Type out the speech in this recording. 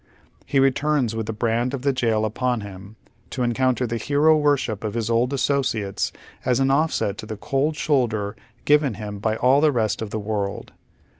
He returns with the brand oy Google THE HARVEST OF TAEE8. 233 of the jail upon him, to encounter the hero worship of his old associates as an offset to the cold shoulder given him by all the rest of the world.